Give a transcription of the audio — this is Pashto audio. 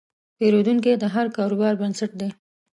پیرودونکی د هر کاروبار بنسټ دی.